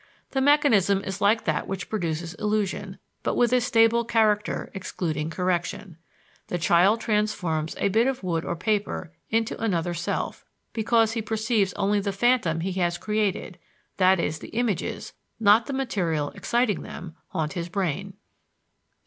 The mechanism is like that which produces illusion, but with a stable character excluding correction. The child transforms a bit of wood or paper into another self, because he perceives only the phantom he has created; that is, the images, not the material exciting them, haunt his brain.